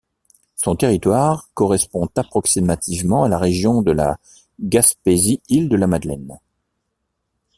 Son territoire correspond approximativement à la région de la Gaspésie–Îles-de-la-Madeleine.